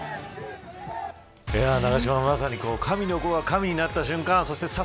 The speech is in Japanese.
永島さん、まさに神の子が神になった瞬間